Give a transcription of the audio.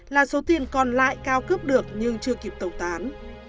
là số tiền còn lại cao cướp được nhưng chưa kịp tẩu tán